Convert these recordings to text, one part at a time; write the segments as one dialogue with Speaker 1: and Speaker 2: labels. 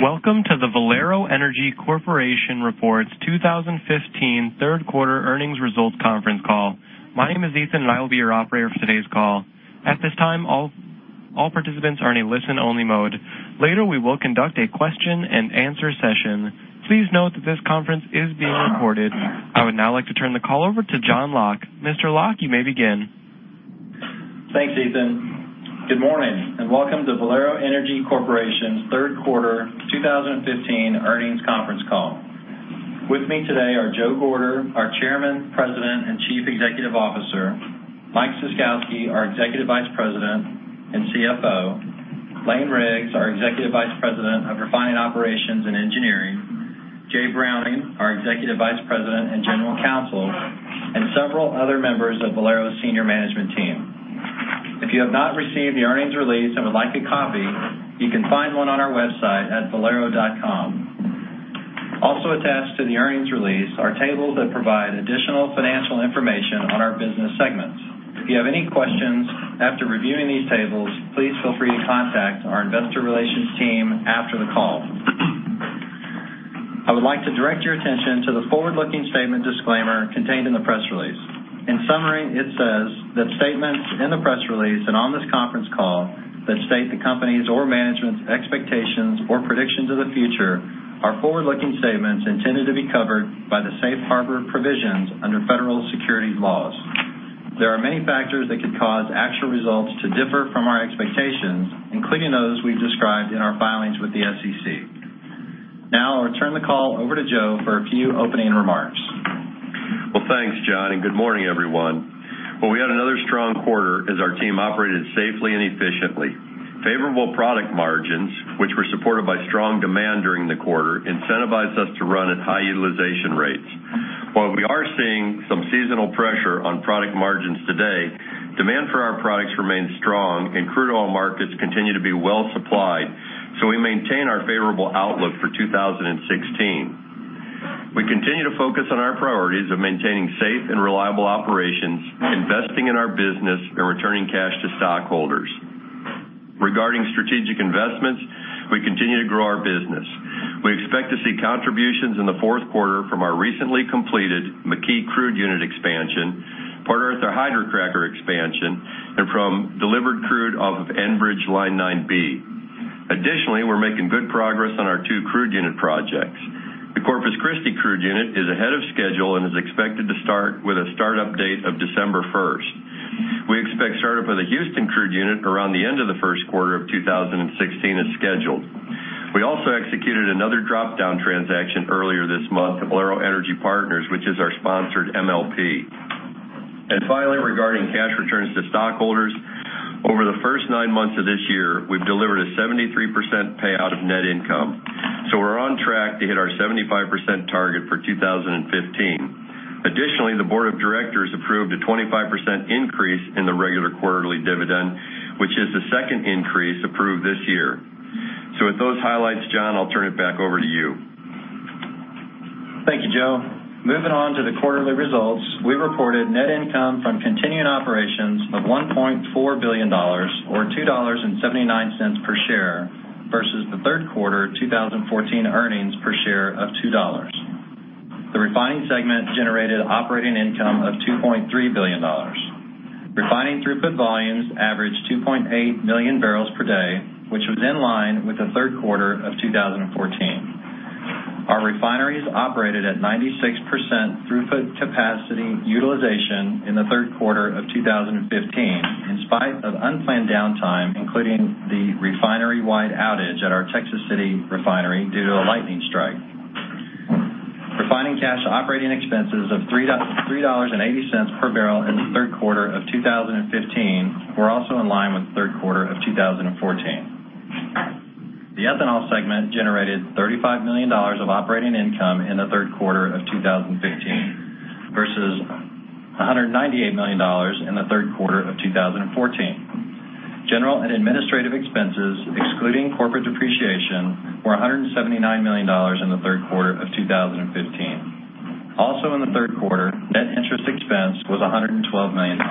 Speaker 1: Welcome to the Valero Energy Corporation Reports 2015 Third Quarter Earnings Results Conference Call. My name is Ethan and I will be your operator for today's call. At this time, all participants are in a listen only mode. Later, we will conduct a question and answer session. Please note that this conference is being recorded. I would now like to turn the call over to John Locke. Mr. Locke, you may begin.
Speaker 2: Thanks, Ethan. Good morning and welcome to Valero Energy Corporation's third quarter 2015 earnings conference call. With me today are Joe Gorder, our Chairman, President, and Chief Executive Officer, Mike Ciskowski, our Executive Vice President and CFO, Lane Riggs, our Executive Vice President of Refining Operations and Engineering, Jay Browning, our Executive Vice President and General Counsel, and several other members of Valero's senior management team. If you have not received the earnings release and would like a copy, you can find one on our website at valero.com. Also attached to the earnings release are tables that provide additional financial information on our business segments. If you have any questions after reviewing these tables, please feel free to contact our investor relations team after the call. I would like to direct your attention to the forward-looking statement disclaimer contained in the press release. In summary, it says that statements in the press release and on this conference call that state the company's or management's expectations or predictions of the future are forward-looking statements intended to be covered by the safe harbor provisions under federal securities laws. There are many factors that could cause actual results to differ from our expectations, including those we've described in our filings with the SEC. I'll turn the call over to Joe for a few opening remarks.
Speaker 3: Thanks, John, good morning, everyone. We had another strong quarter as our team operated safely and efficiently. Favorable product margins, which were supported by strong demand during the quarter, incentivized us to run at high utilization rates. While we are seeing some seasonal pressure on product margins today, demand for our products remains strong and crude oil markets continue to be well supplied, we maintain our favorable outlook for 2016. We continue to focus on our priorities of maintaining safe and reliable operations, investing in our business, and returning cash to stockholders. Regarding strategic investments, we continue to grow our business. We expect to see contributions in the fourth quarter from our recently completed McKee crude unit expansion, Port Arthur hydrocracker expansion, and from delivered crude off of Enbridge Line 9B. Additionally, we're making good progress on our two crude unit projects. The Corpus Christi crude unit is ahead of schedule and is expected to start with a start-up date of December 1st. We expect start-up of the Houston crude unit around the end of the first quarter of 2016 as scheduled. We also executed another drop-down transaction earlier this month with Valero Energy Partners, which is our sponsored MLP. Finally, regarding cash returns to stockholders, over the first nine months of this year, we've delivered a 73% payout of net income. We're on track to hit our 75% target for 2015. Additionally, the board of directors approved a 25% increase in the regular quarterly dividend, which is the second increase approved this year. With those highlights, John, I'll turn it back over to you.
Speaker 2: Thank you, Joe. Moving on to the quarterly results. We reported net income from continuing operations of $1.4 billion, or $2.79 per share, versus the third quarter 2014 earnings per share of $2. The refining segment generated operating income of $2.3 billion. Refining throughput volumes averaged 2.8 million barrels per day, which was in line with the third quarter of 2014. Our refineries operated at 96% throughput capacity utilization in the third quarter of 2015, in spite of unplanned downtime, including the refinery-wide outage at our Texas City refinery due to a lightning strike. Refining cash operating expenses of $3.80 per barrel in the third quarter of 2015 were also in line with the third quarter of 2014. The ethanol segment generated $35 million of operating income in the third quarter of 2015 versus $198 million in the third quarter of 2014. General and administrative expenses, excluding corporate depreciation, were $179 million in the third quarter of 2015. Also in the third quarter, net interest expense was $112 million.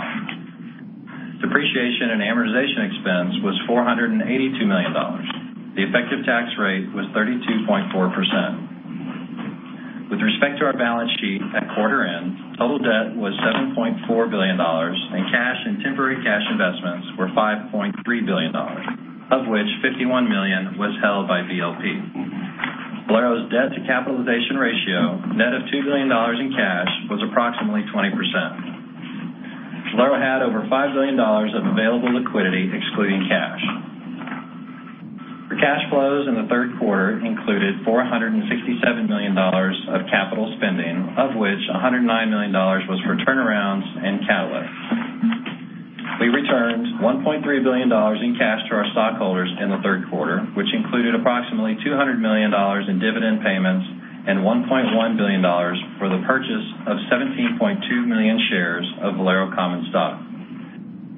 Speaker 2: Depreciation and amortization expense was $482 million. The effective tax rate was 32.4%. With respect to our balance sheet at quarter end, total debt was $7.4 billion and cash and temporary cash investments were $5.3 billion, of which $51 million was held by VLP. Valero's debt to capitalization ratio, net of $2 billion in cash, was approximately 20%. Valero had over $5 billion of available liquidity excluding cash. The cash flows in the third quarter included $467 million of capital spending, of which $109 million was for turnarounds and catalysts. We returned $1.3 billion in cash to our stockholders in the third quarter, which included approximately $200 million in dividend payments and $1.1 billion for the purchase of 17.2 million shares of Valero common stock.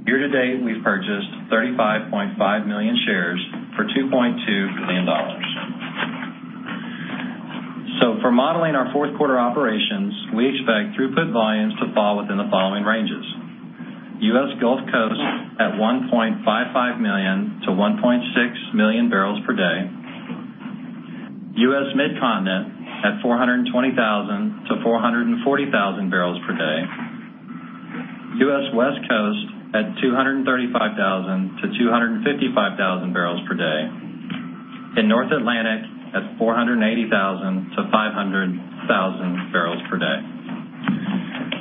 Speaker 2: Year to date, we've purchased 35.5 million shares for $2.2. For modeling our fourth quarter operations, we expect throughput volumes to fall within the following ranges: U.S. Gulf Coast at 1.55 million barrels per day-1.6 million barrels per day, U.S. Mid-Continent at 420,000 barrels per day-440,000 barrels per day, U.S. West Coast at 235,000 barrels per day-255,000 barrels per day, and North Atlantic at 480,000 barrels per day-500,000 barrels per day.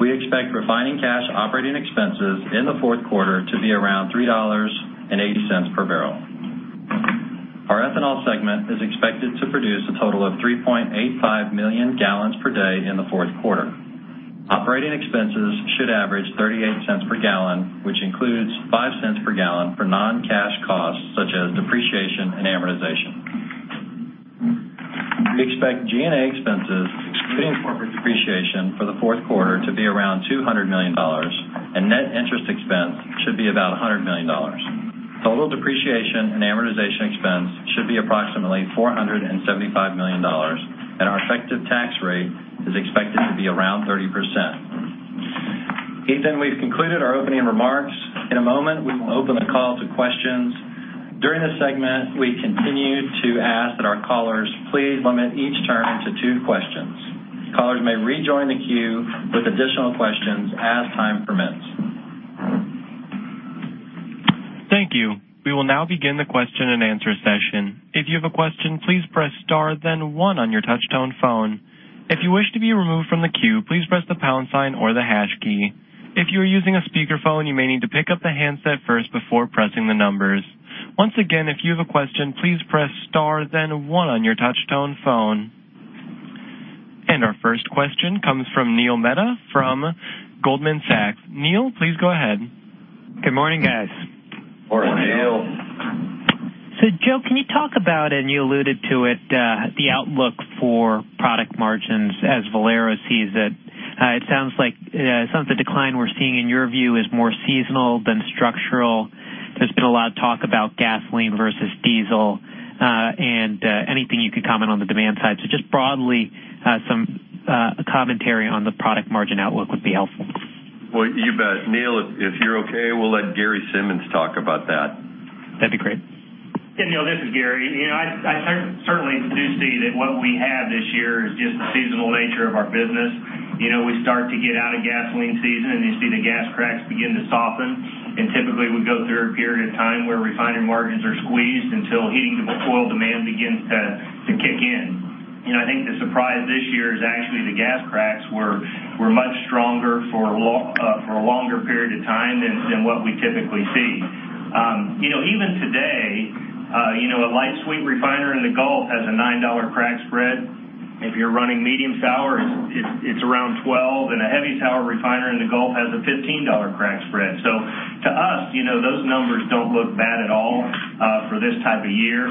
Speaker 2: We expect refining cash operating expenses in the fourth quarter to be around $3.80 per barrel. Our ethanol segment is expected to produce a total of 3.85 million gallons per day in the fourth quarter. Operating expenses should average $0.38 per gallon, which includes $0.05 per gallon for non-cash costs such as depreciation and amortization. We expect G&A expenses, excluding corporate depreciation for the fourth quarter, to be around $200 million, and net interest expense should be about $100 million. Total depreciation and amortization expense should be approximately $475 million, and our effective tax rate is expected to be around 30%. Ethan, we've concluded our opening remarks. In a moment, we will open the call to questions. During this segment, we continue to ask that our callers please limit each turn to two questions. Callers may rejoin the queue with additional questions as time permits.
Speaker 1: Thank you. We will now begin the question and answer session. If you have a question, please press star then one on your touch tone phone. If you wish to be removed from the queue, please press the pound sign or the hash key. If you are using a speakerphone, you may need to pick up the handset first before pressing the numbers. Once again, if you have a question, please press star then one on your touch tone phone. Our first question comes from Neil Mehta from Goldman Sachs. Neil, please go ahead.
Speaker 4: Good morning, guys.
Speaker 2: Morning, Neil.
Speaker 4: Joe, can you talk about, and you alluded to it, the outlook for product margins as Valero sees it? It sounds like the decline we're seeing in your view is more seasonal than structural. There's been a lot of talk about gasoline versus diesel, anything you could comment on the demand side. Just broadly, some commentary on the product margin outlook would be helpful.
Speaker 2: Well, you bet. Neil, if you're okay, we'll let Gary Simmons talk about that.
Speaker 4: That'd be great.
Speaker 5: Neil, this is Gary. I certainly do see that what we have this year is just the seasonal nature of our business. We start to get out of gasoline season, you see the gas cracks begin to soften, typically, we go through a period of time where refinery margins are squeezed until heating oil demand begins to kick in. I think the surprise this year is actually the gas cracks were much stronger for a longer period of time than what we typically see. Even today, a light sweet refiner in the Gulf has a $9 crack spread. If you're running medium sour, it's around $12, a heavy sour refiner in the Gulf has a $15 crack spread. To us, those numbers don't look bad at all for this time of year.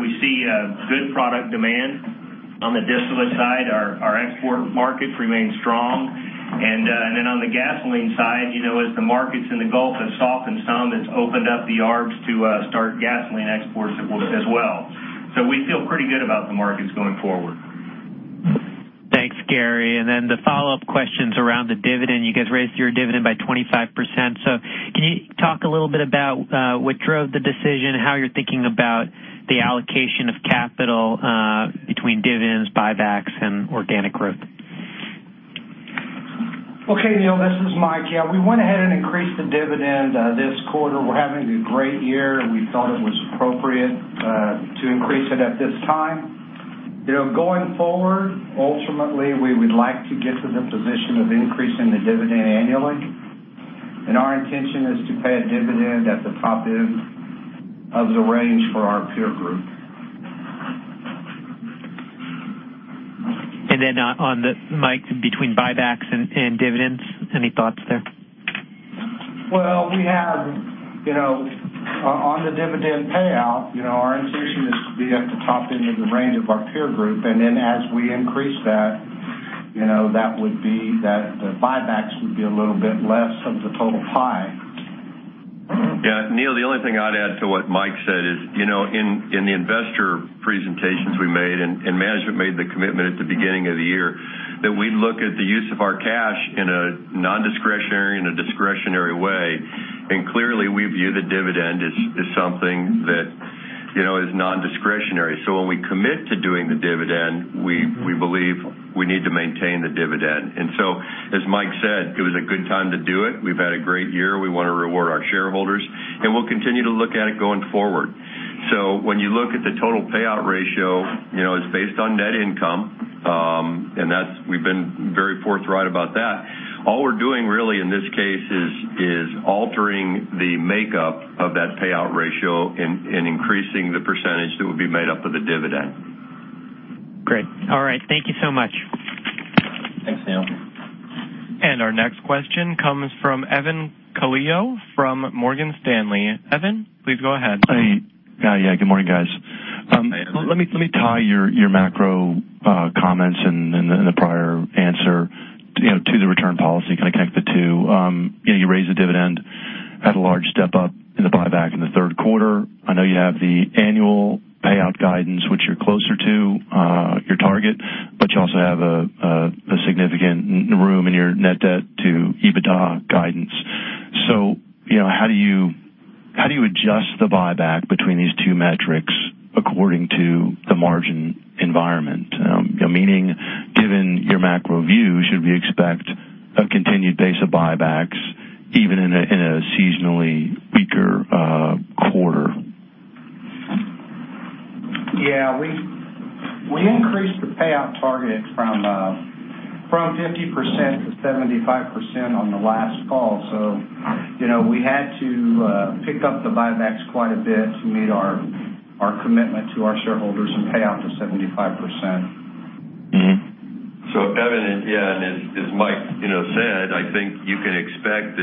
Speaker 5: We see good product demand on the distillate side. Our export markets remain strong. On the gasoline side, as the markets in the Gulf have softened some, it's opened up the Arbs to start gasoline exports as well. We feel pretty good about the markets going forward.
Speaker 4: Thanks, Gary. The follow-up question's around the dividend. You guys raised your dividend by 25%. Can you talk a little bit about what drove the decision, how you're thinking about the allocation of capital between dividends, buybacks, and organic growth?
Speaker 6: Okay, Neil, this is Mike. We went ahead and increased the dividend this quarter. We're having a great year. We thought it was appropriate to increase it at this time. Going forward, ultimately, we would like to get to the position of increasing the dividend annually. Our intention is to pay a dividend at the top end of the range for our peer group.
Speaker 4: On the, Mike, between buybacks and dividends, any thoughts there?
Speaker 6: Well, on the dividend payout, our intention is to be at the top end of the range of our peer group, then as we increase that, the buybacks would be a little bit less of the total pie.
Speaker 3: Neil, the only thing I'd add to what Mike said is, in the investor presentations we made, management made the commitment at the beginning of the year, that we look at the use of our cash in a non-discretionary and a discretionary way, clearly we view the dividend as something that is non-discretionary. When we commit to doing the dividend, we believe we need to maintain the dividend. As Mike said, it was a good time to do it. We've had a great year. We want to reward our shareholders, we'll continue to look at it going forward. When you look at the total Payout Ratio, it's based on net income, we've been very forthright about that. All we're doing really in this case is altering the makeup of that Payout Ratio, increasing the percentage that would be made up of the dividend.
Speaker 4: Great. All right. Thank you so much.
Speaker 2: Thanks, Neil.
Speaker 1: Our next question comes from Evan Calio from Morgan Stanley. Evan, please go ahead.
Speaker 7: Yeah. Good morning, guys. Let me tie your macro comments and the prior answer to the return policy, kind of connect the two. You raised the dividend. Had a large step up in the buyback in the third quarter. I know you have the annual payout guidance, which you're closer to your target, but you also have a significant room in your net debt to EBITDA guidance. How do you adjust the buyback between these two metrics according to the margin environment? Meaning, given your macro view, should we expect a continued base of buybacks even in a seasonally weaker quarter?
Speaker 6: Yeah. We increased the payout target from 50% to 75% on the last call. We had to pick up the buybacks quite a bit to meet our commitment to our shareholders and pay out the 75%.
Speaker 3: Evan, yeah, as Mike said, I think you can expect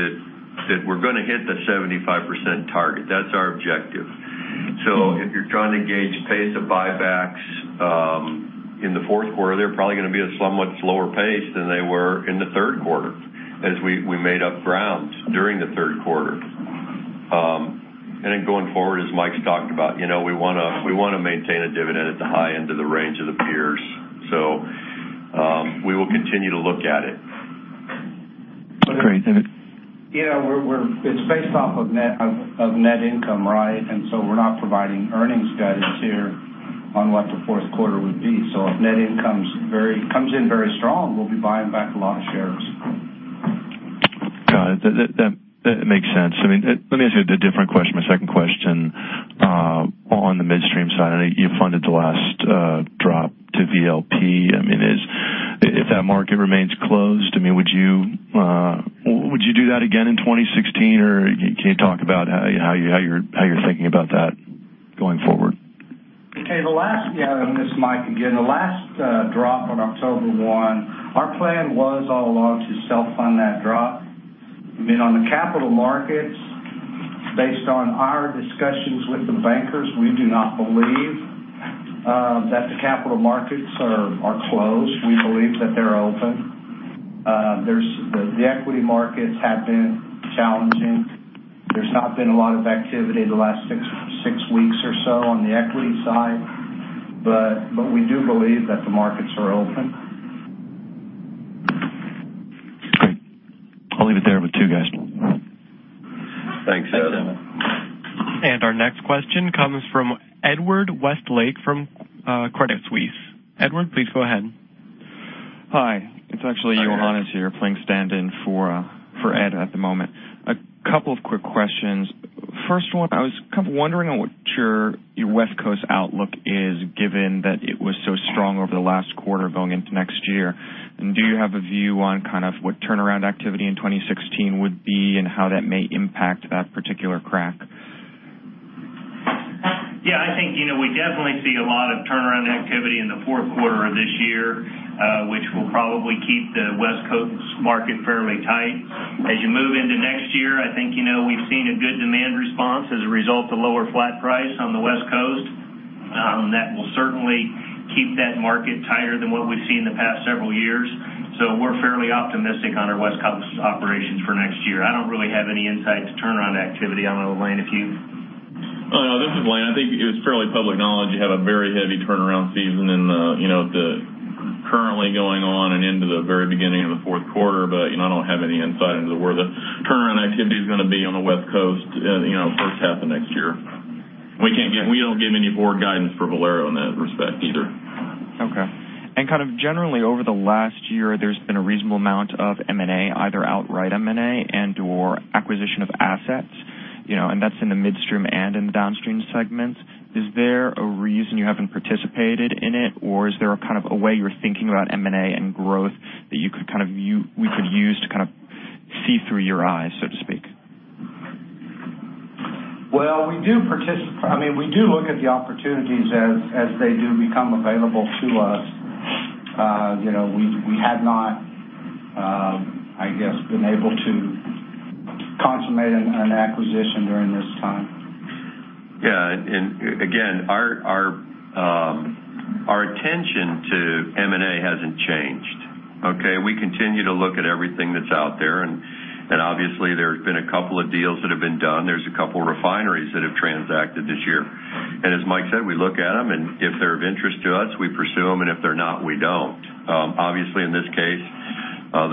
Speaker 3: that we're going to hit the 75% target. That's our objective. If you're trying to gauge pace of buybacks in the fourth quarter, they're probably going to be a somewhat slower pace than they were in the third quarter, as we made up ground during the third quarter. Going forward, as Mike's talked about, we want to maintain a dividend at the high end of the range of the peers. We will continue to look at it.
Speaker 7: Okay.
Speaker 6: Yeah. It's based off of net income. We're not providing earnings guidance here on what the fourth quarter would be. If net income comes in very strong, we'll be buying back a lot of shares.
Speaker 7: Got it. That makes sense. Let me ask you a different question, my second question, on the midstream side. I know you funded the last drop to VLP. If that market remains closed, would you do that again in 2016, or can you talk about how you're thinking about that going forward?
Speaker 6: Okay. This is Mike again. The last drop on October 1, our plan was all along to self-fund that drop. On the capital markets, based on our discussions with the bankers, we do not believe that the capital markets are closed. We believe that they're open. The equity markets have been challenging. There's not been a lot of activity the last six weeks or so on the equity side, but we do believe that the markets are open.
Speaker 7: Great. I'll leave it there with two guys.
Speaker 3: Thanks, Evan.
Speaker 1: Our next question comes from Edward Westlake from Credit Suisse. Edward, please go ahead.
Speaker 8: Hi. It's actually Johannes here playing stand-in for Ed at the moment. A couple of quick questions. First one, I was kind of wondering on what your West Coast outlook is, given that it was so strong over the last quarter going into next year. Do you have a view on what turnaround activity in 2016 would be and how that may impact that particular crack?
Speaker 5: Yeah, I think we definitely see a lot of turnaround activity in the fourth quarter of this year, which will probably keep the West Coast market fairly tight. As you move into next year, I think we've seen a good demand response as a result of lower flat price on the West Coast. That will certainly keep that market tighter than what we've seen the past several years. We're fairly optimistic on our West Coast operations for next year. I don't really have any insight to turnaround activity. I don't know, Lane, if you
Speaker 9: No, this is Lane. I think it's fairly public knowledge you have a very heavy turnaround season currently going on and into the very beginning of the fourth quarter. I don't have any insight into where the turnaround activity's going to be on the West Coast first half of next year. We don't give any forward guidance for Valero in that respect either.
Speaker 8: Okay. Kind of generally over the last year, there's been a reasonable amount of M&A, either outright M&A and/or acquisition of assets, and that's in the midstream and in the downstream segments. Is there a reason you haven't participated in it, or is there a kind of a way you're thinking about M&A and growth that we could use to kind of see through your eyes, so to speak?
Speaker 3: Well, we do look at the opportunities as they do become available to us. We have not, I guess, been able to consummate an acquisition during this time. Yeah, again, our attention to M&A hasn't changed. We continue to look at everything that's out there, and obviously there's been a couple of deals that have been done. There's a couple refineries that have transacted this year. As Mike said, we look at them, and if they're of interest to us, we pursue them, and if they're not, we don't. Obviously, in this case,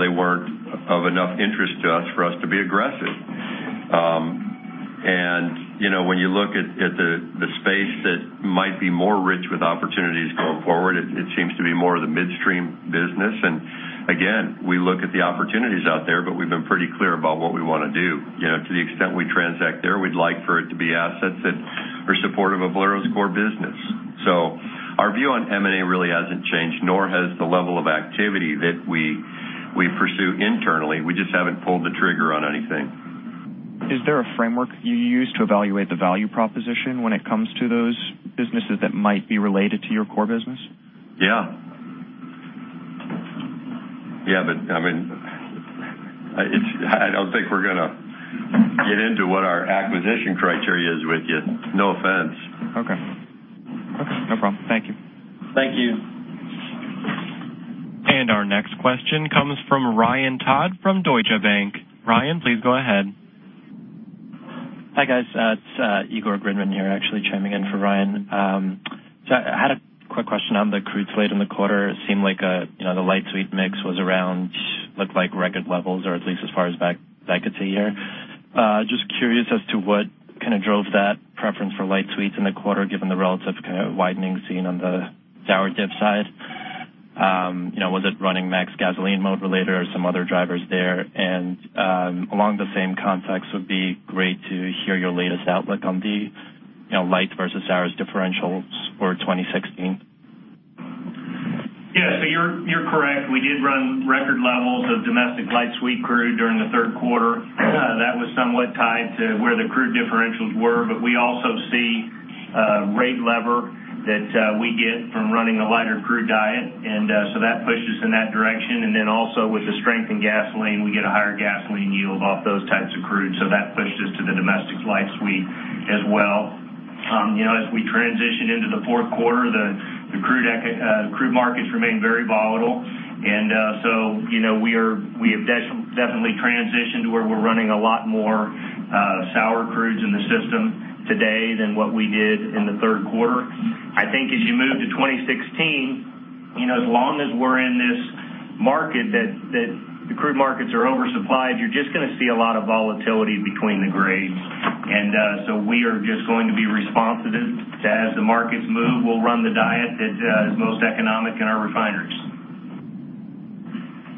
Speaker 3: they weren't of enough interest to us for us to be aggressive. When you look at the space that might be more rich with opportunities going forward, it seems to be more the midstream business. Again, we look at the opportunities out there, but we've been pretty clear about what we want to do. To the extent we transact there, we'd like for it to be assets that are supportive of Valero's core business. Our view on M&A really hasn't changed, nor has the level of activity that we pursue internally. We just haven't pulled the trigger on anything.
Speaker 8: Is there a framework you use to evaluate the value proposition when it comes to those businesses that might be related to your core business?
Speaker 3: Yeah. I don't think we're going to get into what our acquisition criteria is with you. No offense.
Speaker 8: Okay. No problem. Thank you.
Speaker 3: Thank you
Speaker 1: Our next question comes from Ryan Todd from Deutsche Bank. Ryan, please go ahead.
Speaker 10: Hi, guys. It's Igor Gridman here, actually chiming in for Ryan. I had a quick question on the crudes late in the quarter. It seemed like the light sweet mix was around record levels, or at least as far as back I could see here. Just curious as to what drove that preference for light sweets in the quarter, given the relative widening seen on the sour dip side. Was it running max gasoline mode related or some other drivers there? Along the same context, would be great to hear your latest outlook on the lights versus sour differentials for 2016.
Speaker 5: Yeah. You're correct. We did run record levels of domestic light sweet crude during the third quarter. That was somewhat tied to where the crude differentials were, but we also see rate lever that we get from running a lighter crude diet. That pushed us in that direction. Also with the strength in gasoline, we get a higher gasoline yield off those types of crude. That pushed us to the domestic light sweet as well. As we transition into the fourth quarter, the crude markets remain very volatile. We have definitely transitioned to where we're running a lot more sour crudes in the system today than what we did in the third quarter. I think as you move to 2016, as long as we're in this market that the crude markets are oversupplied, you're just going to see a lot of volatility between the grades. We are just going to be responsive to as the markets move, we'll run the diet that is most economic in our refineries.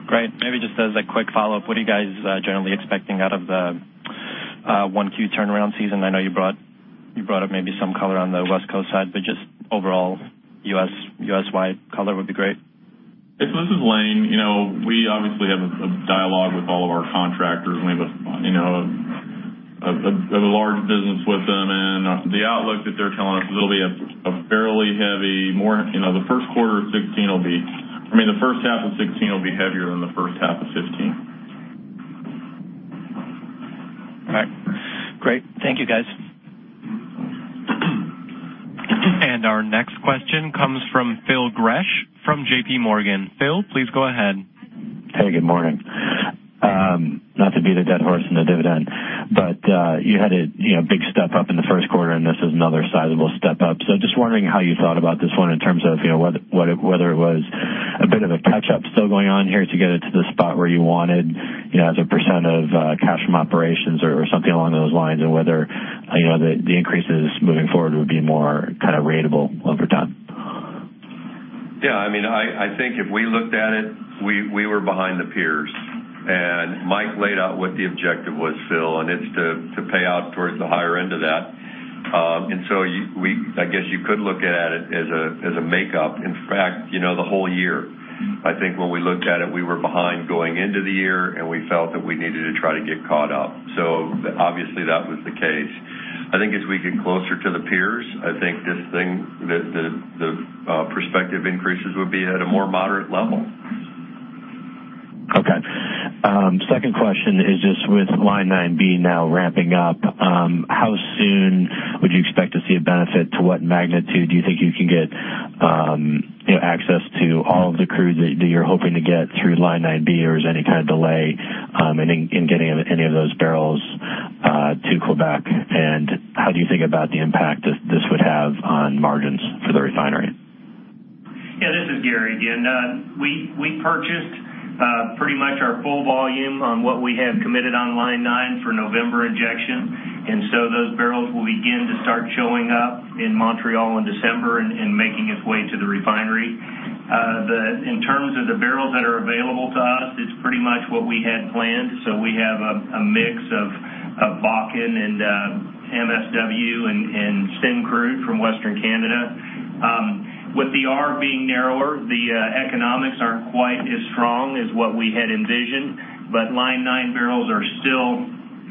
Speaker 10: Great. Maybe just as a quick follow-up, what are you guys generally expecting out of the 1Q turnaround season? I know you brought up maybe some color on the West Coast side, but just overall, U.S.-wide color would be great.
Speaker 9: This is Lane Riggs. We obviously have a dialogue with all of our contractors, we have a large business with them, the outlook that they're telling us is The first half of 2016 will be heavier than the first half of 2015.
Speaker 10: All right, great. Thank you, guys.
Speaker 1: Our next question comes from Phil Gresh from JP Morgan. Phil, please go ahead.
Speaker 11: Hey, good morning. Not to beat a dead horse in the dividend, you had a big step up in the first quarter, this is another sizable step up. Just wondering how you thought about this one in terms of whether it was a bit of a catch-up still going on here to get it to the spot where you wanted as a % of cash from operations or something along those lines, and whether the increases moving forward would be more ratable over time.
Speaker 3: I think if we looked at it, we were behind the peers. Mike laid out what the objective was, Phil, it's to pay out towards the higher end of that. I guess you could look at it as a makeup. In fact, the whole year, I think when we looked at it, we were behind going into the year, and we felt that we needed to try to get caught up. Obviously, that was the case. I think as we get closer to the peers, I think the prospective increases would be at a more moderate level.
Speaker 11: Okay. Second question is just with Line 9B now ramping up, how soon would you expect to see a benefit? To what magnitude do you think you can get access to all of the crude that you're hoping to get through Line 9B, or is there any kind of delay in getting any of those barrels to Quebec? How do you think about the impact this would have on margins for the refinery?
Speaker 5: Yeah, this is Gary again. We purchased pretty much our full volume on what we have committed on Line 9 for November injection, those barrels will begin to start showing up in Montreal in December and making its way to the refinery. In terms of the barrels that are available to us, it's pretty much what we had planned. We have a mix of Bakken and MSW and SCO from Western Canada. With the arb being narrower, the economics aren't quite as strong as what we had envisioned, Line 9 barrels are still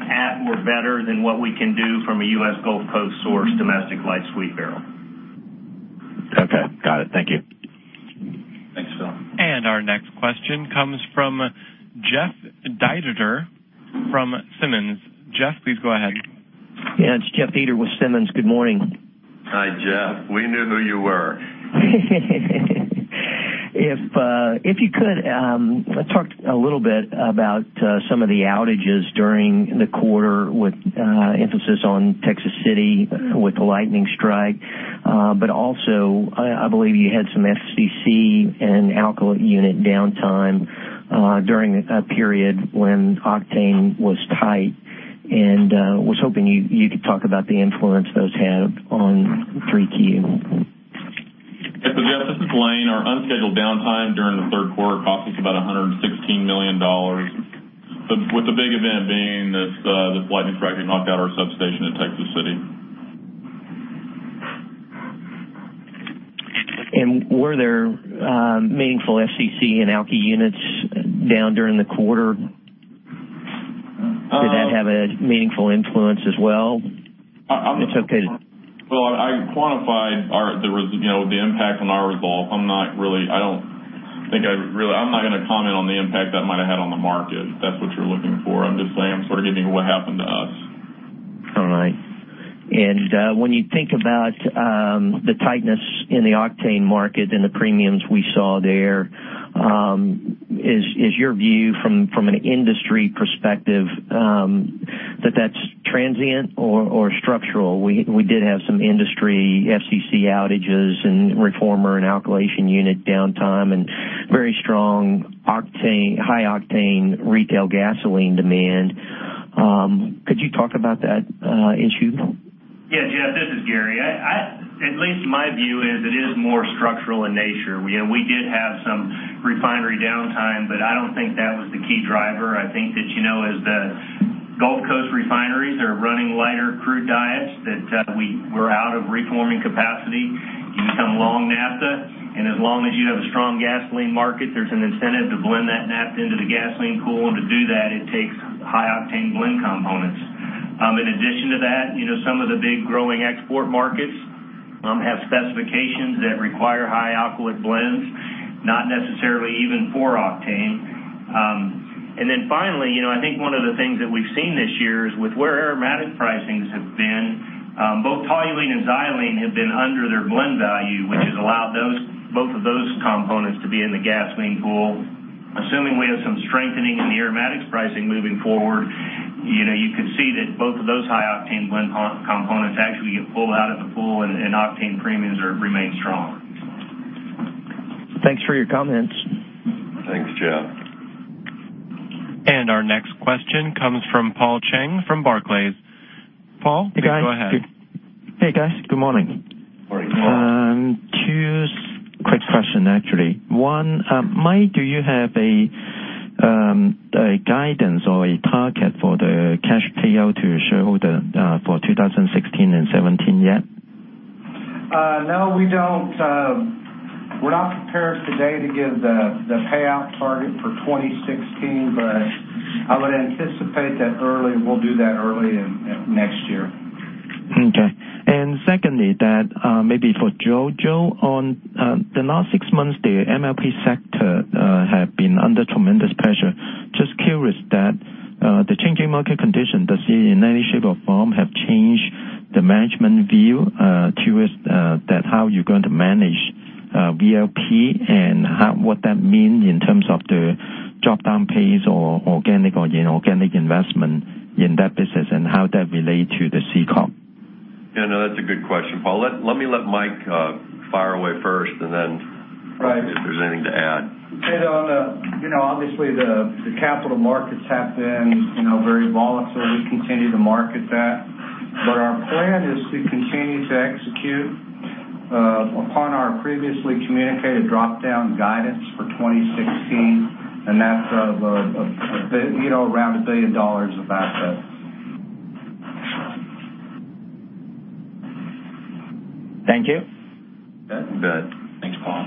Speaker 5: at or better than what we can do from a U.S. Gulf Coast source domestic light sweet barrel.
Speaker 11: Okay. Got it. Thank you.
Speaker 3: Thanks, Phil.
Speaker 1: Our next question comes from Jeff Dietert from Simmons. Jeff, please go ahead.
Speaker 12: Yeah, it's Jeff Dietert with Simmons. Good morning.
Speaker 3: Hi, Jeff. We knew who you were.
Speaker 12: If you could, talk a little bit about some of the outages during the quarter, with emphasis on Texas City with the lightning strike. But also, I believe you had some FCC and alkylate unit downtime during a period when octane was tight, and was hoping you could talk about the influence those had on 3Q.
Speaker 9: Yes. Jeff, this is Lane. Our unscheduled downtime during the third quarter cost us about $116 million, with the big event being this lightning strike that knocked out our substation in Texas City.
Speaker 12: Were there meaningful FCC and alky units down during the quarter?
Speaker 9: Uh-
Speaker 12: Did that have a meaningful influence as well?
Speaker 9: I'm-
Speaker 12: It's okay to-
Speaker 9: Well, I quantified the impact on our results. I'm not going to comment on the impact that might have had on the market, if that's what you're looking for. I'm just saying, I'm sort of giving you what happened to us.
Speaker 12: All right. When you think about the tightness in the octane market and the premiums we saw there, is your view from an industry perspective that that's transient or structural? We did have some industry FCC outages and reformer and alkylation unit downtime and very strong high octane retail gasoline demand. Could you talk about that issue?
Speaker 5: Yeah, Jeff, this is Gary. At least my view is it is more structural in nature. We did have some refinery downtime, I don't think that was the key driver. I think that as the Gulf Coast refineries are running lighter crude diets, that we were out of reforming capacity. You become long Naphtha, as long as you have a strong gasoline market, there's an incentive to blend that Naphtha into the gasoline pool, to do that, it takes high octane blend components. In addition to that, some of the big growing export markets have specifications that require high alkylate blends, not necessarily even for octane. Finally, I think one of the things that we've seen this year is with where aromatic pricings have been, both toluene and xylene have been under their blend value, which has allowed both of those components to be in the gasoline pool. Assuming we have some strengthening in the aromatics pricing moving forward, you could see that both of those high octane blend components actually get pulled out of the pool and octane premiums remain strong.
Speaker 12: Thanks for your comments.
Speaker 3: Thanks, Jeff.
Speaker 1: Our next question comes from Paul Cheng from Barclays. Paul, go ahead.
Speaker 13: Hey, guys. Good morning.
Speaker 3: Morning, Paul.
Speaker 13: Two quick question, actually. One, Mike, do you have a guidance or a target for the cash payout to your shareholder for 2016 and 2017 yet?
Speaker 6: No, we don't. We're not prepared today to give the payout target for 2016, I would anticipate that we'll do that early in next year.
Speaker 13: Okay. Secondly, maybe for Joe. Joe, on the last 6 months, the MLP sector have been under tremendous pressure. Just curious that the changing market condition, does it in any shape or form have changed the management view towards how you're going to manage VLP and what that means in terms of the drop-down pace or organic investment in that business and how that relate to the C Corp?
Speaker 3: Yeah, no, that's a good question, Paul. Let me let Mike fire away first and then.
Speaker 6: Right I'll see if there's anything to add. Obviously the capital markets have been very volatile. We continue to market that. Our plan is to continue to execute upon our previously communicated drop-down guidance for 2016, and that's around $1 billion of assets.
Speaker 13: Thank you.
Speaker 3: That's good. Thanks, Paul.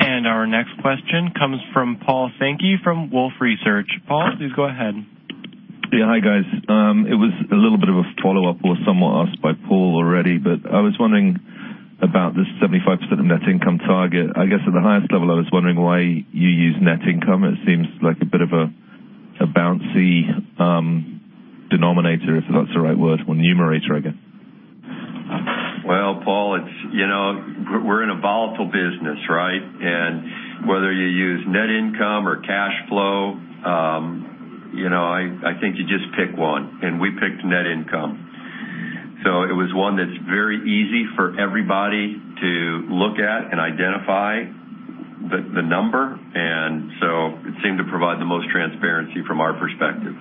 Speaker 1: Our next question comes from Paul Sankey from Wolfe Research. Paul, please go ahead.
Speaker 14: Hi, guys. It was a little bit of a follow-up or somewhat asked by Paul already, but I was wondering about this 75% of net income target. I guess at the highest level, I was wondering why you use net income. It seems like a bit of a bouncy denominator, if that's the right word, or numerator, I guess.
Speaker 3: Well, Paul, we're in a volatile business, right? Whether you use net income or cash flow, I think you just pick one, and we picked net income. It was one that's very easy for everybody to look at and identify the number. It seemed to provide the most transparency from our perspective.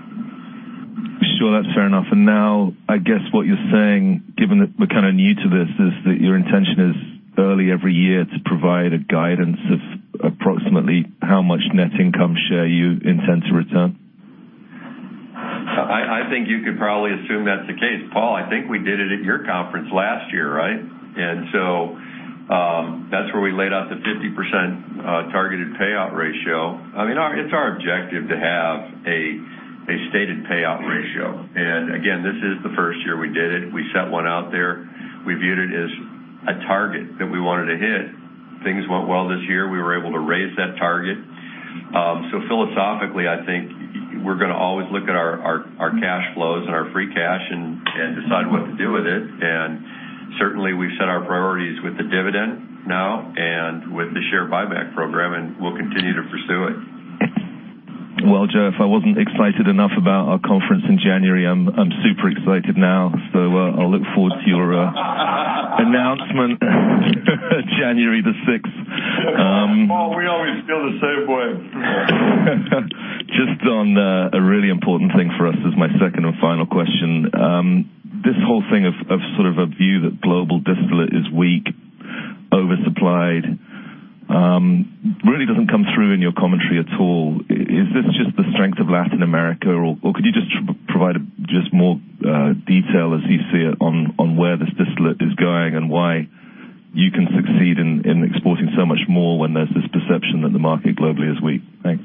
Speaker 14: Sure. That's fair enough. Now, I guess what you're saying, given that we're kind of new to this, is that your intention is early every year to provide a guidance of approximately how much net income share you intend to return?
Speaker 3: I think you could probably assume that's the case. Paul, I think we did it at your conference last year, right? That's where we laid out the 50% targeted payout ratio. It's our objective to have a stated payout ratio. Again, this is the first year we did it. We set one out there. We viewed it as a target that we wanted to hit. Things went well this year. We were able to raise that target. Philosophically, I think we're going to always look at our cash flows and our free cash and decide what to do with it. Certainly, we've set our priorities with the dividend now and with the share buyback program, and we'll continue to pursue it.
Speaker 14: Well, Joe, if I wasn't excited enough about our conference in January, I'm super excited now. I'll look forward to your announcement January the 6th.
Speaker 3: Paul, we always feel the same way.
Speaker 14: Just on a really important thing for us is my second and final question. This whole thing of sort of a view that global distillate is weak, oversupplied, really doesn't come through in your commentary at all. Is this just the strength of Latin America, or could you just provide just more detail as you see it on where this distillate is going and why you can succeed in exporting so much more when there's this perception that the market globally is weak? Thanks.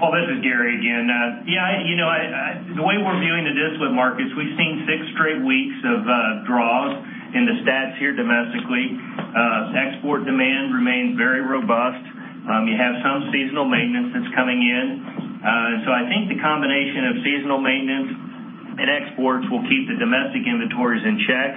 Speaker 5: Paul, this is Gary again. The way we're viewing the distillate market is we've seen six straight weeks of draws in the stats here domestically, export demand remains very robust. You have some seasonal maintenance that's coming in. I think the combination of seasonal maintenance and exports will keep the domestic inventories in check,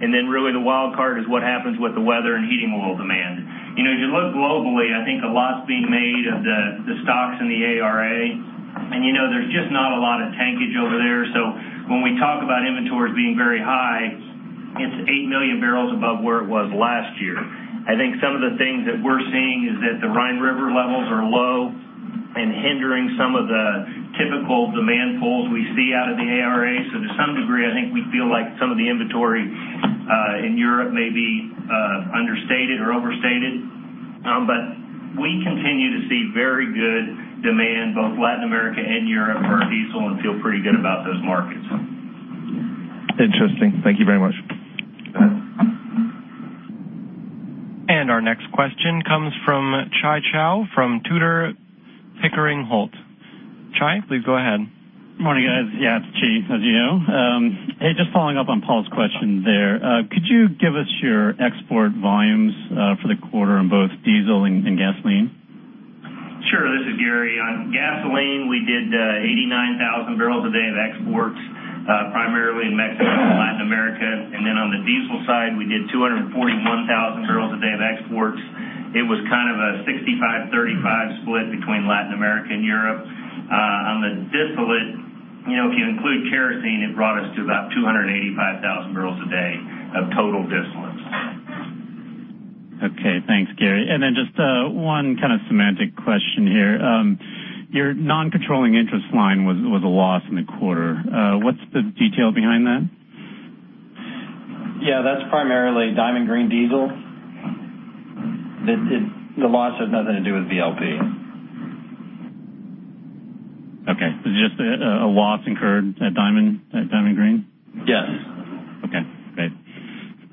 Speaker 5: and then really the wild card is what happens with the weather and heating oil demand. If you look globally, I think a lot's being made of the stocks in the ARA, and there's just not a lot of tankage over there. When we talk about inventories being very high, it's eight million barrels above where it was last year. I think some of the things that we're seeing is that the Rhine River levels are low and hindering some of the typical demand pulls we see out of the ARA. To some degree, I think we feel like some of the inventory in Europe may be understated or overstated. We continue to see very good demand, both Latin America and Europe for our diesel and feel pretty good about those markets.
Speaker 14: Interesting. Thank you very much.
Speaker 1: Our next question comes from Chi Chow from Tudor, Pickering Holt. Chi, please go ahead.
Speaker 15: Good morning, guys. Yeah, it's Chi, as you know. Hey, just following up on Paul's question there. Could you give us your export volumes for the quarter on both diesel and gasoline?
Speaker 5: Sure. This is Gary. On gasoline, we did 89,000 barrels a day of exports, primarily in Mexico and Latin America. On the diesel side, we did 241,000 barrels a day of exports. It was kind of a 65/35 split between Latin America and Europe. On the distillate, if you include kerosene, it brought us to about 285,000 barrels a day of total distillates.
Speaker 15: Okay, thanks, Gary. Just one kind of semantic question here. Your non-controlling interest line was a loss in the quarter. What's the detail behind that?
Speaker 6: Yeah, that's primarily Diamond Green Diesel. The loss has nothing to do with VLP.
Speaker 15: Okay. Just a loss incurred at Diamond Green?
Speaker 6: Yes.
Speaker 15: Okay, great.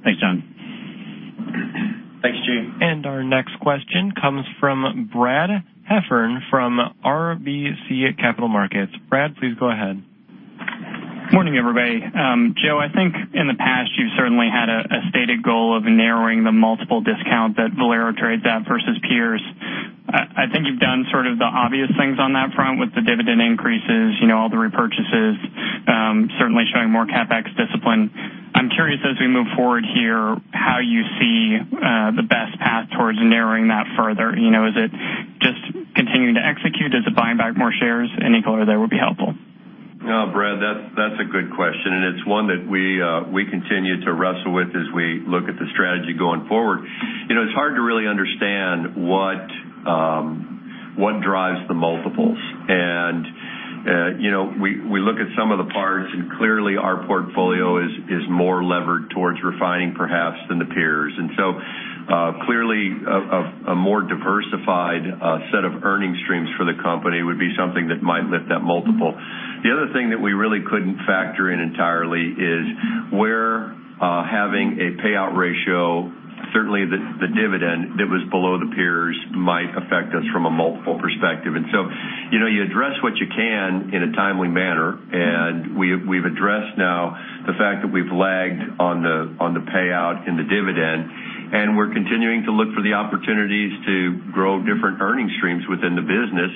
Speaker 15: Thanks, John.
Speaker 2: Thanks, Chi. Our next question comes from Brad Heffern from RBC Capital Markets. Brad, please go ahead.
Speaker 16: Morning, everybody. Joe, I think in the past, you've certainly had a stated goal of narrowing the multiple discount that Valero trades at versus peers. I think you've done sort of the obvious things on that front with the dividend increases, all the repurchases, certainly showing more CapEx discipline. I'm curious as we move forward here, how you see the best path towards narrowing that further. Is it just continuing to execute? Is it buying back more shares? Any color there would be helpful.
Speaker 3: Brad, that's a good question, and it's one that we continue to wrestle with as we look at the strategy going forward. It's hard to really understand what drives the multiples. We look at some of the parts and clearly, our portfolio is more levered towards refining, perhaps, than the peers. Clearly, a more diversified set of earning streams for the company would be something that might lift that multiple. The other thing that we really couldn't factor in entirely is where having a payout ratio, certainly the dividend that was below the peers might affect us from a multiple perspective. You address what you can in a timely manner, and we've addressed now the fact that we've lagged on the payout and the dividend, and we're continuing to look for the opportunities to grow different earning streams within the business.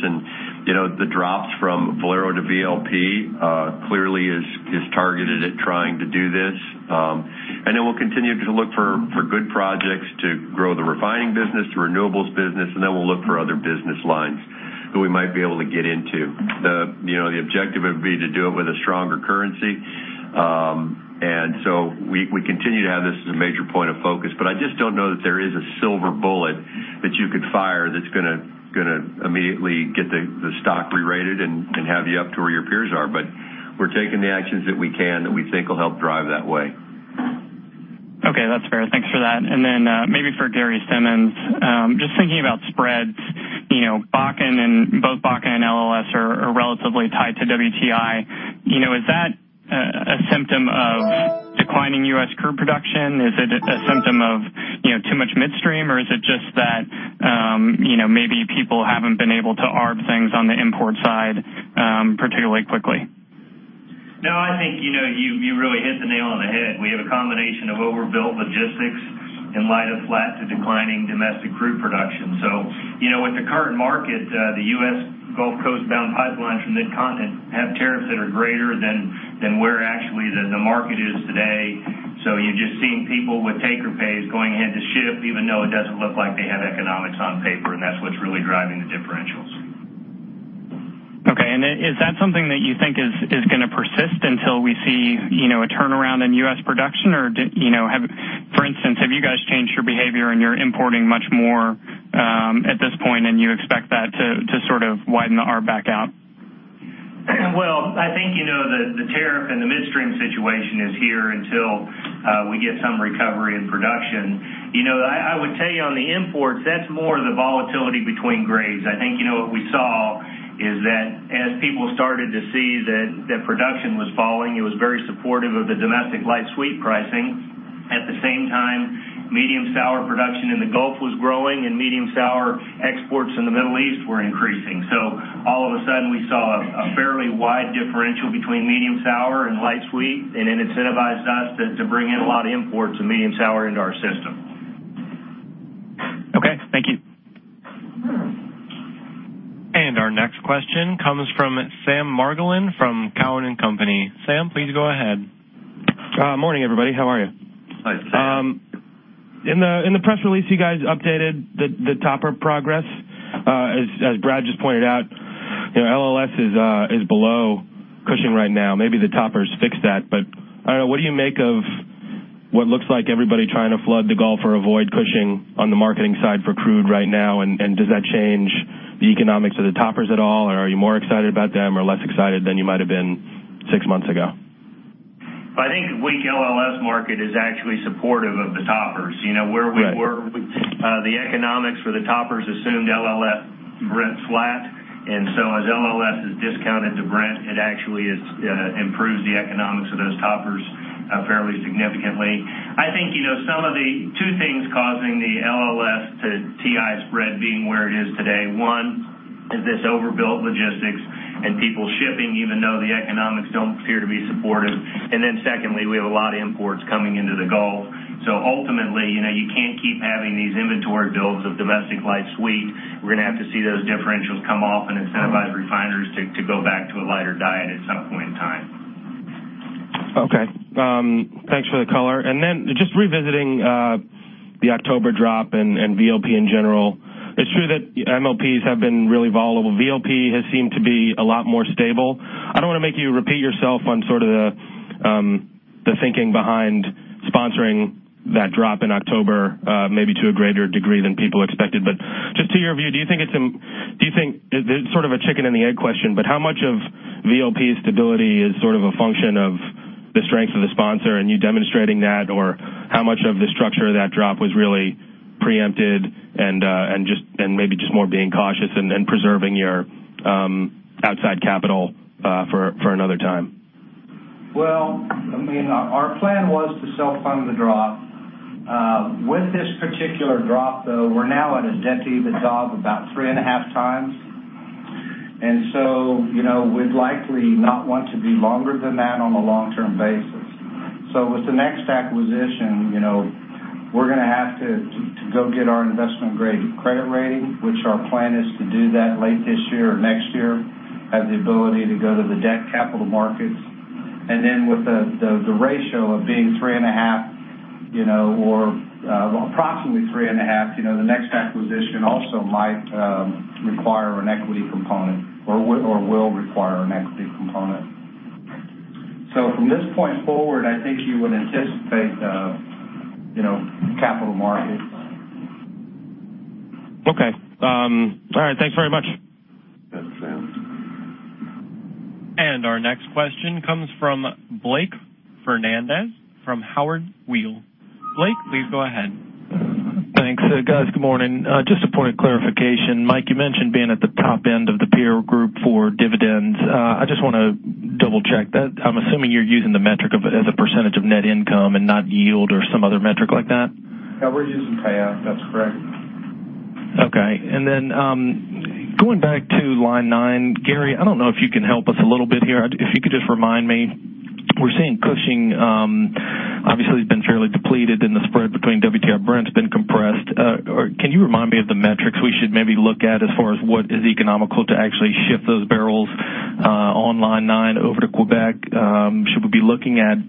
Speaker 3: The drops from Valero to VLP clearly is targeted at trying to do this. We'll continue to look for good projects to grow the refining business, the renewables business, and we'll look for other business lines that we might be able to get into. The objective would be to do it with a stronger currency. We continue to have this as a major point of focus, I just don't know that there is a silver bullet that you could fire that's going to immediately get the stock re-rated and have you up to where your peers are. We're taking the actions that we can that we think will help drive that way.
Speaker 16: Okay, that's fair. Thanks for that. Maybe for Gary Simmons, just thinking about spreads, both Bakken and LLS are relatively tied to WTI. Is that a symptom of declining U.S. crude production? Is it a symptom of too much midstream, or is it just that maybe people haven't been able to arb things on the import side particularly quickly?
Speaker 5: No, I think you really hit the nail on the head. We have a combination of overbuilt logistics in light of flat to declining domestic crude production. With the current market, the U.S. Gulf Coast-bound pipelines from Midcontinent have tariffs that are greater than where actually the market is today. You're just seeing people with take or pays going ahead to ship, even though it doesn't look like they have economics on paper, and that's what's really driving the differentials.
Speaker 16: Okay. Is that something that you think is going to persist until we see a turnaround in U.S. production? For instance, have you guys changed your behavior and you're importing much more at this point and you expect that to sort of widen the arb back out?
Speaker 5: Well, I think the tariff and the midstream situation is here until we get some recovery in production. I would tell you on the imports, that is more the volatility between grades. I think what we saw is that as people started to see that production was falling, it was very supportive of the domestic light sweet pricing. At the same time, medium sour production in the Gulf was growing, and medium sour exports in the Middle East were increasing. All of a sudden, we saw a fairly wide differential between medium sour and light sweet, and it incentivized us to bring in a lot of imports of medium sour into our system.
Speaker 16: Okay. Thank you.
Speaker 1: Our next question comes from Sam Margolin from Cowen and Company. Sam, please go ahead.
Speaker 17: Morning, everybody. How are you?
Speaker 5: Hi, Sam.
Speaker 17: In the press release, you guys updated the topper progress. As Brad just pointed out, LLS is below Cushing right now. Maybe the toppers fixed that, but I don't know. What do you make of what looks like everybody trying to flood the Gulf or avoid Cushing on the marketing side for crude right now? Does that change the economics of the toppers at all, or are you more excited about them or less excited than you might have been six months ago?
Speaker 5: I think weak LLS market is actually supportive of the toppers.
Speaker 17: Right.
Speaker 5: Where we were, the economics for the toppers assumed LLS Brent flat. As LLS is discounted to Brent, it actually improves the economics of those toppers fairly significantly. I think two things causing the LLS to TI spread being where it is today. One is this overbuilt logistics and people shipping even though the economics don't appear to be supportive. Secondly, we have a lot of imports coming into the Gulf. Ultimately, you can't keep having these inventory builds of domestic light sweet. We're going to have to see those differentials come off and incentivize refiners to go back to a lighter diet at some point in time.
Speaker 17: Okay. Thanks for the color. Just revisiting the October drop and VLP in general. It's true that MLPs have been really volatile. VLP has seemed to be a lot more stable. I don't want to make you repeat yourself on sort of the thinking behind sponsoring that drop in October maybe to a greater degree than people expected. Just to your view, it's sort of a chicken and the egg question, but how much of VLP stability is sort of a function of the strength of the sponsor and you demonstrating that, or how much of the structure of that drop was really preempted and maybe just more being cautious and preserving your outside capital for another time?
Speaker 6: Well, our plan was to self-fund the drop. With this particular drop, though, we're now at a debt-to-EBITDA of about 3.5 times. We'd likely not want to be longer than that on a long-term basis. With the next acquisition, we're going to have to go get our investment-grade credit rating, which our plan is to do that late this year or next year, have the ability to go to the debt capital markets. With the ratio of being 3.5, or approximately 3.5, the next acquisition also might require an equity component, or will require an equity component. From this point forward, I think you would anticipate capital markets.
Speaker 17: Okay. All right. Thanks very much.
Speaker 6: Yes, Sam.
Speaker 1: Our next question comes from Blake Fernandez from Howard Weil. Blake, please go ahead.
Speaker 18: Thanks. Guys, good morning. Just a point of clarification. Mike, you mentioned being at the top end of the peer group for dividends. I just want to double-check that. I'm assuming you're using the metric of it as a percentage of net income and not yield or some other metric like that?
Speaker 5: Yeah, we're using FAYEAF. That's correct.
Speaker 18: Okay. Then going back to Line 9, Gary, I don't know if you can help us a little bit here. If you could just remind me. We're seeing Cushing obviously has been fairly depleted and the spread between WTI and Brent has been compressed. Can you remind me of the metrics we should maybe look at as far as what is economical to actually ship those barrels on Line 9 over to Quebec? Should we be looking at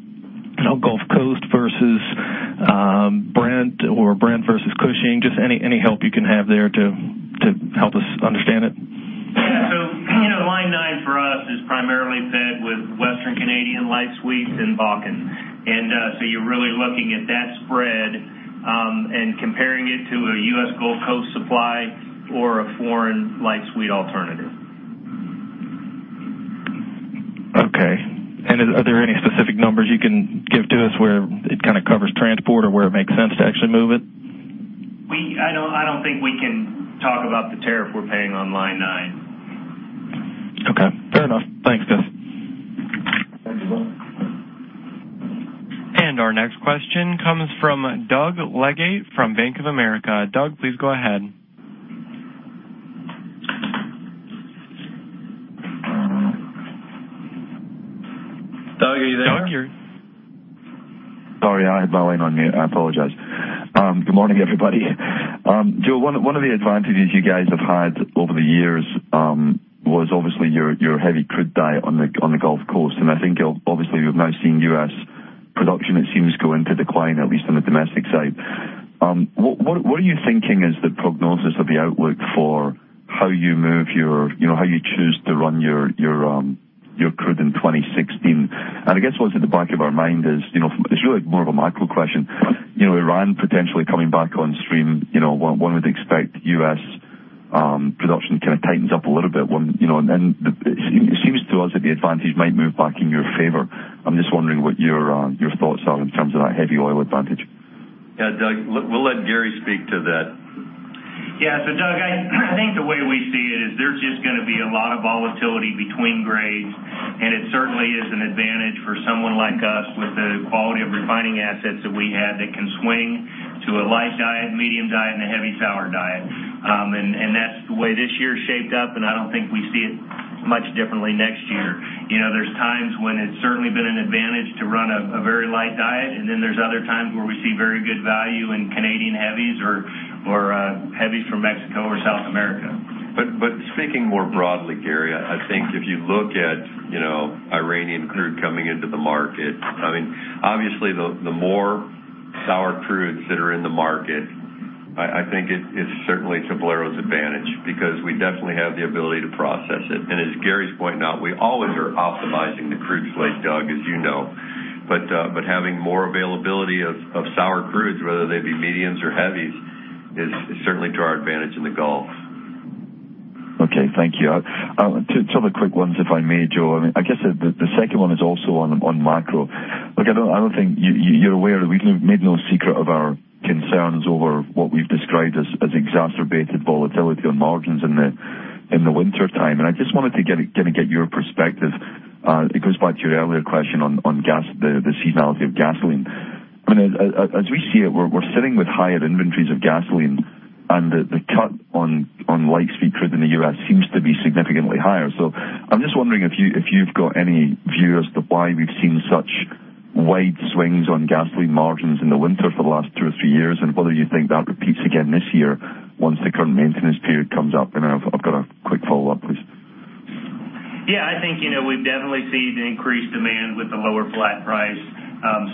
Speaker 18: Gulf Coast versus Brent or Brent versus Cushing? Just any help you can have there to help us understand it.
Speaker 5: Yeah. Line 9 for us is primarily fed with Western Canadian light sweet and Bakken. You're really looking at that spread and comparing it to a U.S. Gulf Coast supply or a foreign light sweet alternative.
Speaker 18: Okay. Are there any specific numbers you can give to us where it kind of covers transport or where it makes sense to actually move it?
Speaker 5: I don't think we can talk about the tariff we're paying on Line 9.
Speaker 18: Okay. Fair enough. Thanks, guys.
Speaker 5: Thank you, Blake.
Speaker 1: Our next question comes from Doug Leggate from Bank of America. Doug, please go ahead.
Speaker 3: Doug, are you there?
Speaker 1: Doug,
Speaker 19: Sorry, I had my line on mute. I apologize. Good morning, everybody. One of the advantages you guys have had over the years was obviously your heavy crude diet on the Gulf Coast, and I think obviously we've now seen U.S. production, it seems, go into decline, at least on the domestic side. What are you thinking is the prognosis of the outlook for how you choose to run your crude in 2016? I guess what's in the back of our mind is, it's really more of a macro question. Iran potentially coming back on stream. One would expect U.S. production kind of tightens up a little bit. It seems to us that the advantage might move back in your favor. I'm just wondering what your thoughts are in terms of that heavy oil advantage.
Speaker 5: Yeah. Doug, I think the way we see it is there's just going to be a lot of volatility between grades, it certainly is an advantage for someone like us with the quality of refining assets that we have that can swing to a light diet, medium diet, and a heavy sour diet. That's the way this year shaped up, and I don't think we see it much differently next year. There's times when it's certainly been an advantage to run a very light diet, and then there's other times where we see very good value in Canadian heavies or heavies from Mexico or South America.
Speaker 3: Speaking more broadly, Gary, I think if you look at Iranian crude coming into the market, obviously the more sour crudes that are in the market, I think it is certainly to Valero's advantage because we definitely have the ability to process it. As Gary's pointing out, we always are optimizing the crude slate, Doug, as you know. Having more availability of sour crudes, whether they be mediums or heavies, is certainly to our advantage in the Gulf.
Speaker 19: Okay. Thank you. Two other quick ones, if I may, Joe. I guess the second one is also on macro. Look, I don't think you're aware that we've made no secret of our concerns over what we've described as exacerbated volatility on margins in the wintertime, and I just wanted to get your perspective. It goes back to your earlier question on the seasonality of gasoline. As we see it, we're sitting with higher inventories of gasoline, and the cut on light sweet crude in the U.S. seems to be significantly higher. I'm just wondering if you've got any view as to why we've seen such wide swings on gasoline margins in the winter for the last two or three years, and whether you think that repeats again this year once the current maintenance period comes up? I've got a quick follow-up, please.
Speaker 5: Yeah. I think we've definitely seen increased demand with the lower flat price.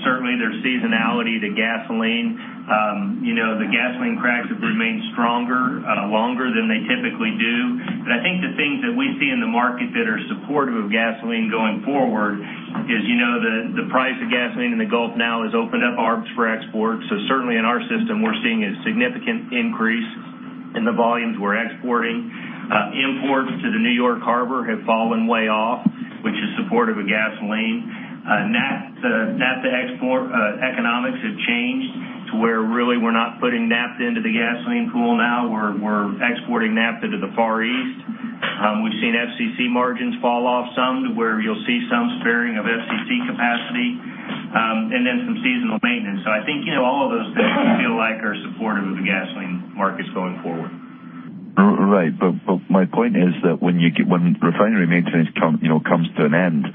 Speaker 5: Certainly, there's seasonality to gasoline. The gasoline cracks have remained stronger longer than they typically do. I think the things that we see in the market that are supportive of gasoline going forward is the price of gasoline in the Gulf now has opened up Arbs for export. Certainly in our system, we're seeing a significant increase in the volumes we're exporting. Imports to the New York Harbor have fallen way off, which is supportive of gasoline. Naphtha export economics have changed to where really we're not putting naphtha into the gasoline pool now. We're exporting naphtha to the Far East. We've seen FCC margins fall off some to where you'll see some sparing of FCC capacity, and then some seasonal maintenance. I think all of those things we feel like are supportive of the gasoline markets going forward.
Speaker 19: Right. My point is that when refinery maintenance comes to an end,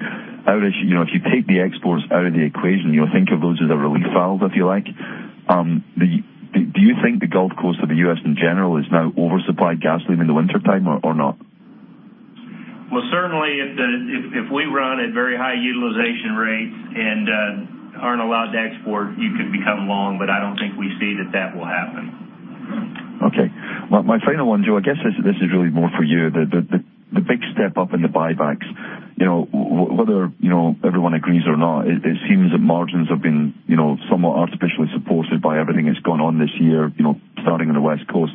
Speaker 19: if you take the exports out of the equation, think of those as a relief valve, if you like. Do you think the Gulf Coast of the U.S. in general is now oversupplied gasoline in the wintertime or not?
Speaker 5: Well, certainly if we run at very high utilization rates and aren't allowed to export, you could become long, but I don't think we see that that will happen.
Speaker 19: Okay. My final one, Joe, I guess this is really more for you. The big step up in the buybacks, whether everyone agrees or not, it seems that margins have been somewhat artificially supported by everything that's gone on this year, starting on the West Coast.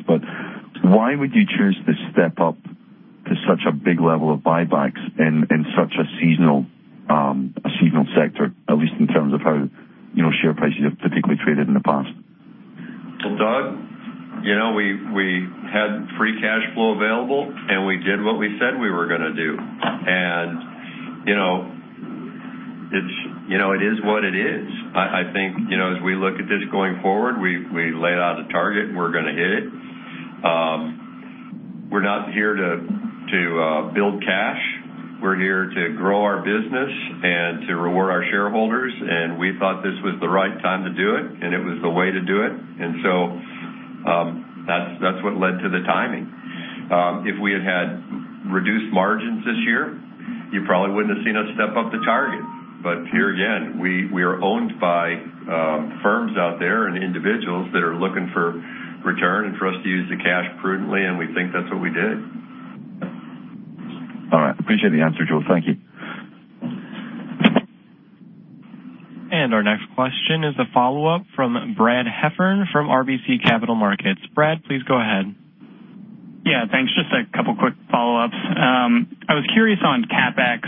Speaker 19: Why would you choose to step up to such a big level of buybacks in such a seasonal sector, at least in terms of how share prices have particularly traded in the past?
Speaker 3: Well, Doug, we had free cash flow available, and we did what we said we were going to do, and it is what it is. I think as we look at this going forward, we laid out a target, and we're going to hit it. We're not here to build cash. We're here to grow our business and to reward our shareholders, and we thought this was the right time to do it, and it was the way to do it, and so that's what led to the timing. If we had had reduced margins this year, you probably wouldn't have seen us step up the target. Here again, we are owned by firms out there and individuals that are looking for return and for us to use the cash prudently, and we think that's what we did.
Speaker 19: All right. Appreciate the answer, Joe. Thank you.
Speaker 1: Our next question is a follow-up from Brad Heffern from RBC Capital Markets. Brad, please go ahead.
Speaker 16: Yeah, thanks. Just a couple quick follow-ups. I was curious on CapEx.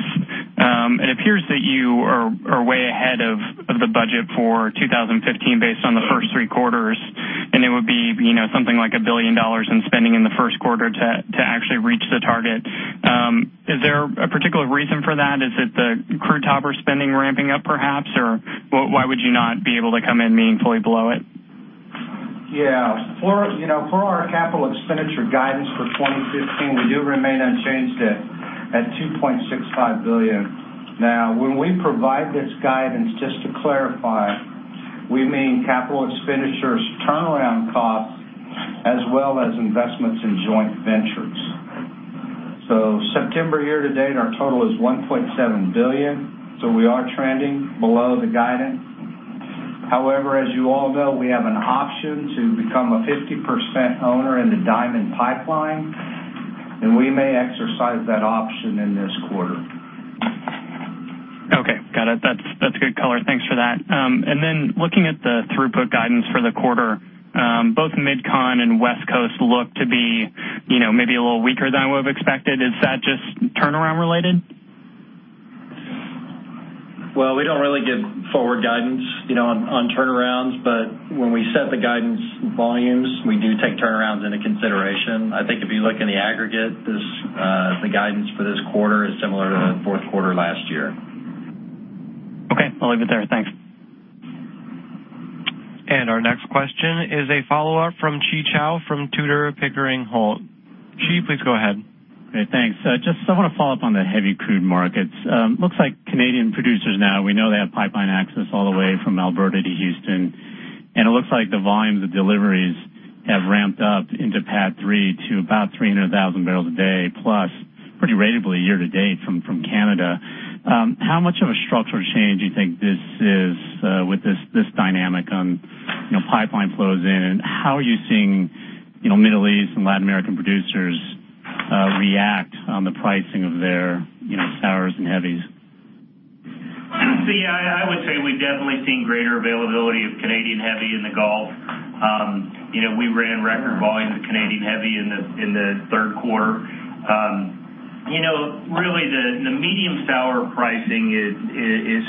Speaker 16: It appears that you are way ahead of the budget for 2015 based on the first three quarters, and it would be something like $1 billion in spending in the first quarter to actually reach the target. Is there a particular reason for that? Is it the crude topper spending ramping up perhaps, or why would you not be able to come in meaningfully below it?
Speaker 6: Yeah. For our capital expenditure guidance for 2015, we do remain unchanged at $2.65 billion. When we provide this guidance, just to clarify, we mean capital expenditures turnaround costs as well as investments in joint ventures. September year-to-date, our total is $1.7 billion, so we are trending below the guidance. However, as you all know, we have an option to become a 50% owner in the Diamond Pipeline, and we may exercise that option in this quarter.
Speaker 16: Okay, got it. That's good color. Thanks for that. Looking at the throughput guidance for the quarter, both MidCon and West Coast look to be maybe a little weaker than I would have expected. Is that just turnaround related?
Speaker 6: Guidance on turnarounds, but when we set the guidance volumes, we do take turnarounds into consideration. I think if you look in the aggregate, the guidance for this quarter is similar to the fourth quarter last year.
Speaker 16: Okay, I'll leave it there. Thanks.
Speaker 1: Our next question is a follow-up from Chi Chow from Tudor, Pickering, Holt & Co. Chi, please go ahead.
Speaker 15: Okay, thanks. Just want to follow up on the heavy crude markets. Looks like Canadian producers now, we know they have pipeline access all the way from Alberta to Houston, and it looks like the volumes of deliveries have ramped up into PADD 3 to about 300,000 barrels a day plus, pretty ratably year-to-date from Canada. How much of a structural change do you think this is with this dynamic on pipeline flows in, and how are you seeing Middle East and Latin American producers react on the pricing of their sours and heavies?
Speaker 5: I would say we've definitely seen greater availability of Canadian heavy in the Gulf. We ran record volumes of Canadian heavy in the third quarter. Really the medium sour pricing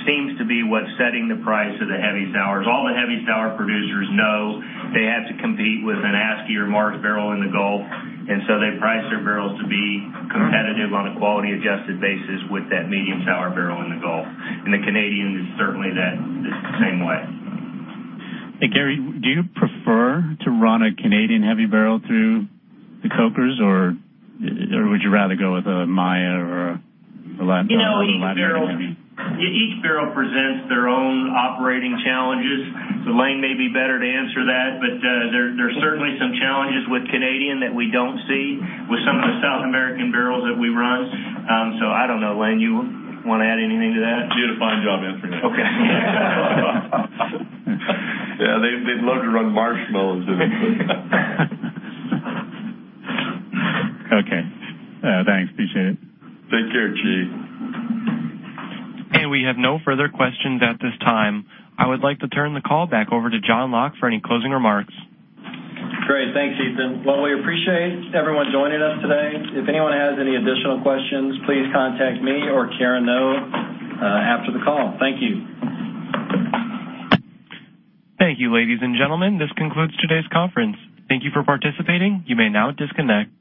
Speaker 5: seems to be what's setting the price of the heavy sours. All the heavy sour producers know they have to compete with an ASCI or Mars barrel in the Gulf, and so they price their barrels to be competitive on a quality-adjusted basis with that medium sour barrel in the Gulf. The Canadian is certainly the same way.
Speaker 15: Hey, Gary, do you prefer to run a Canadian heavy barrel through the cokers or would you rather go with a Maya or a Latin American heavy?
Speaker 5: Each barrel presents their own operating challenges. Lane may be better to answer that, but there's certainly some challenges with Canadian that we don't see with some of the South American barrels that we run. I don't know, Lane, you want to add anything to that?
Speaker 9: You did a fine job answering that.
Speaker 15: Okay.
Speaker 9: Yeah, they'd love to run marshmallows in it.
Speaker 15: Okay. Thanks, appreciate it.
Speaker 9: Take care, Chi.
Speaker 1: We have no further questions at this time. I would like to turn the call back over to John Locke for any closing remarks.
Speaker 2: Great. Thanks, Ethan. Well, we appreciate everyone joining us today. If anyone has any additional questions, please contact me or Karen Ngo after the call. Thank you.
Speaker 1: Thank you, ladies and gentlemen. This concludes today's conference. Thank you for participating. You may now disconnect.